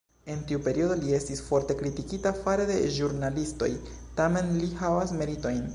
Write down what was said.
En tiu periodo li estis forte kritikita fare de ĵurnalistoj, tamen li havas meritojn.